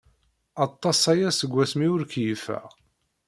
Aṭas aya seg wasmi ur keyyfeɣ.